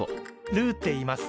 ルーって言います。